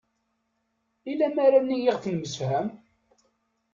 I lamara-ni i ɣef nemsefham?